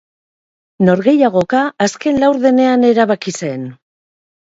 Norgehiagoka azken laurdenean erabaki zen.